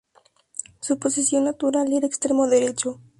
Su posición natural era extremo derecho.